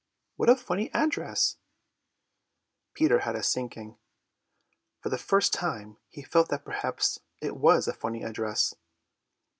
"What a funny address!" Peter had a sinking. For the first time he felt that perhaps it was a funny address.